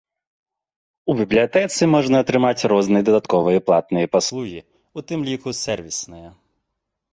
У бібліятэцы можна атрымаць розныя дадатковыя платныя паслугі, у тым ліку сэрвісныя.